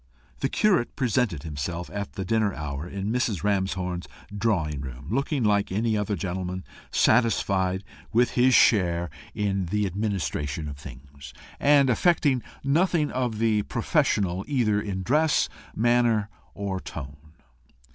The curate presented himself at the dinner hour in Mrs. Ramshorn's drawing room, looking like any other gentleman, satisfied with his share in the administration of things, and affecting nothing of the professional either in dress, manner, or tone.